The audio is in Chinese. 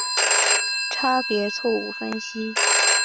差别错误分析。